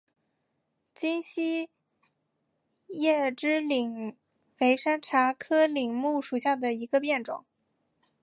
金叶细枝柃为山茶科柃木属下的一个变种。